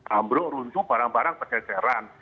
hambruk runtuh barang barang pencerahan